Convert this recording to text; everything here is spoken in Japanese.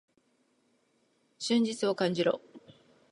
春日を感じろ！